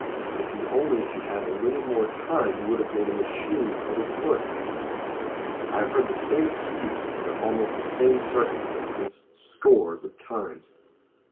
If he only had had a little more time he would have made a machine that would have worked. (?) I have heard the same excuse under almost the same circumstances, scores of times.